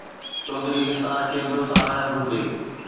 چوڌري نثار کي به ساراهڻ گهرجي.